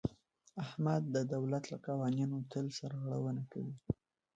احمد د دولت له قوانینو تل سرغړونه کوي.